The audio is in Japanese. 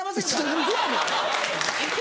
何でやねん！